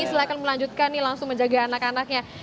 silahkan melanjutkan nih langsung menjaga anak anaknya